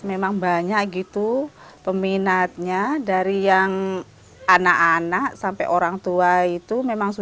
memang banyak gitu peminatnya dari yang anak anak sampai orang tua itu memang